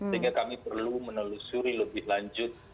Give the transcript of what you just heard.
sehingga kami perlu menelusuri lebih lanjut